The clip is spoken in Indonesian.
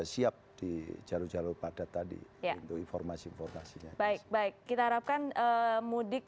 siap di jalur jalur padat tadi untuk informasi informasinya baik baik kita harapkan mudik